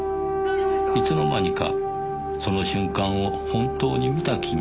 「いつの間にかその瞬間を本当に見た気になっていた」